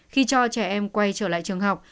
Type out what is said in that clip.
khi cho trẻ em quay trở lại trường học